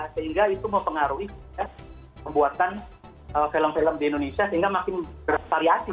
sehingga itu mempengaruhi pembuatan film film di indonesia sehingga makin bervariasi